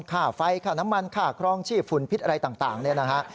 ค่าไฟค่าน้ำมันค่าครองชีพฝุ่นพิษอะไรต่างเนี่ยนะฮะ